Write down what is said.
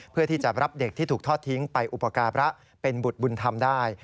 เพื่อที่จะรับเด็กที่ถูกทอดทิ้งไปอุปการะเป็นบุตรบุญธรรมได้